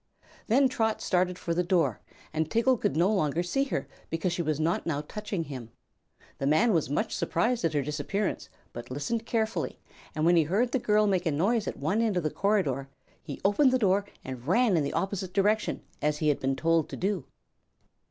Then Trot started for the door and Tiggle could no longer see her because she was not now touching him. The man was much surprised at her disappearance, but listened carefully and when he heard the girl make a noise at one end of the corridor he opened the door and ran in the opposite direction, as he had been told to do.